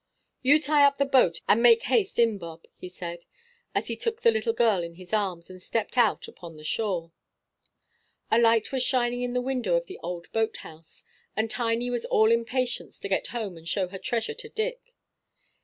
"You tie up the boat, and make haste in, Bob," he said, as he took the little girl in his arms, and stepped out upon the shore. A light was shining in the window of the old boat house, and Tiny was all impatience to get home and show her treasure to Dick.